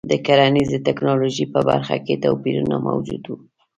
د کرنیزې ټکنالوژۍ په برخه کې توپیرونه موجود وو.